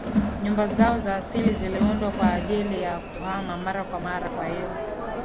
Nyumba zao za asili ziliundwa kwa ajili ya kuhama mara kwa mara kwa hiyo